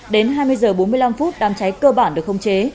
đến hai mươi h bốn mươi năm phút đám cháy cơ bản được không chế